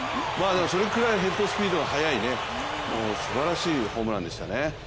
でも、それぐらいヘッドスピードの速い、すばらしいホームランでしたね。